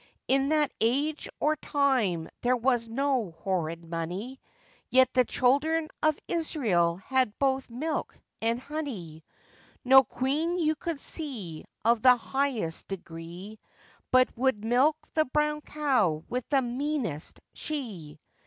In that age or time there was no horrid money, Yet the children of Israel had both milk and honey; No Queen you could see, Of the highest degree, But would milk the brown cow with the meanest she.